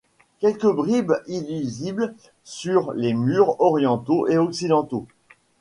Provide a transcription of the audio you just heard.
Quelques bribes illisibles sur les murs orientaux et occidentaux.